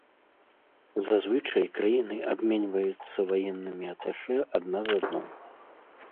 Зазвычай краіны абменьваюцца ваеннымі аташэ адна з адной.